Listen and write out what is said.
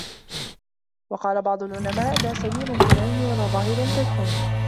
وَقَالَ بَعْضُ الْعُلَمَاءِ لَا سَمِيرَ كَالْعِلْمِ ، وَلَا ظَهِيرَ كَالْحِلْمِ